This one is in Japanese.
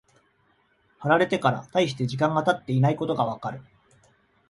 貼られてから大して時間が経っていないことがわかる。